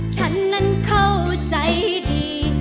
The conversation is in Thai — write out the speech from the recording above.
ฉันนั้นเข้าใจดี